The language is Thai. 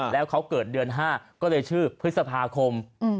แล้วเขาเกิดเดือน๕ก็เลยชื่อพฤษภาคม